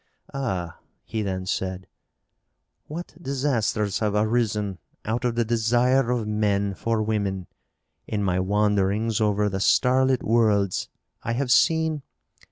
"Ah," he then said, "what disasters have arisen out of the desire of men for women. In my wanderings over the starlit worlds, I have seen...."